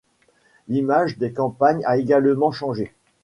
L’image des campagnes a également changé.